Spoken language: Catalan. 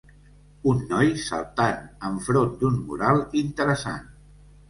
Un noi saltant enfront d'un mural interessant.